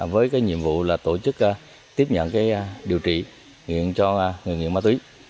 với nhiệm vụ là tổ chức tiếp nhận điều trị cho người nguyện ma túy